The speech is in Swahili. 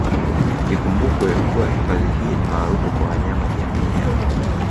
Ikumbukwe kuwa hifadhi hii ni maarufu kwa wanyama jamii ya